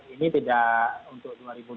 ini tidak untuk